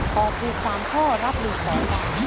ตอบถูก๓ข้อรับ๑ข้อรับ๑บาท